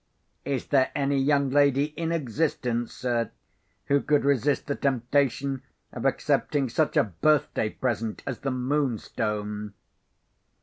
"Is there any young lady in existence, sir, who could resist the temptation of accepting such a birthday present as The Moonstone?"